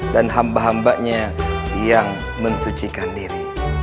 dan hamba hambanya yang mensucikan diri